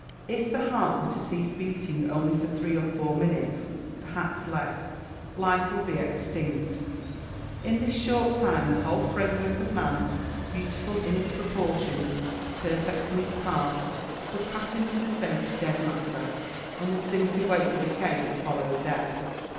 If the heart were to cease beating only for three or four minutes (perhaps less) life would be extinct. In this short time the whole framework of man, beautiful in its proportions, perfect in its parts, would pass into the state of dead matter, and would simply wait the decay that follows death.